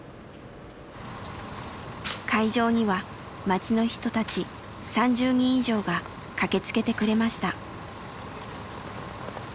会場には町の人たち３０人以上が駆けつけてくれました。